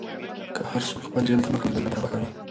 که هر څوک خپلې ژبې ته پام وکړي، نو زده کړه به ښه وي.